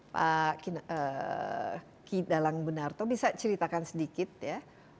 pak dalang gunarto bisa ceritakan sedikit ya